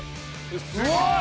すごい！